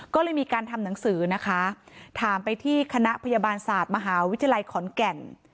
ก็เลยมีการทำหนังสือนะคะถามไปที่คณะพยาบาลศาสตร์มหาวิทยาลัยขอนแก่น